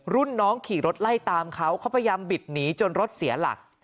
รุ่นน้องขี่รถไล่ตามเขาเขาพยายามบิดหนีจนรถเสียหลัก